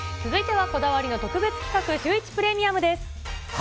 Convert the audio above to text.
続いてはこだわりの特別企画、シューイチプレミアムです。